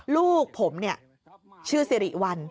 ลูกผมเนี่ยชื่อสิริวัล